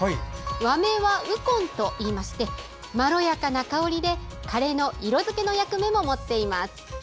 和名はウコンといいましてまろやかな香りでカレーの色づけの役目も持っています。